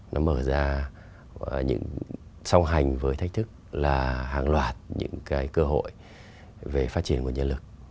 nó mở ra những song hành với thách thức là hàng loạt những cái cơ hội về phát triển nguồn nhân lực